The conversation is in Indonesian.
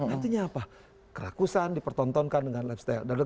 artinya apa kerakusan dipertontonkan dengan lifestyle